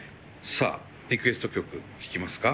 さあリクエスト曲聴きますか？